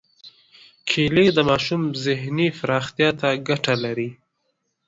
کېله د ماشوم ذهني پراختیا ته ګټه لري.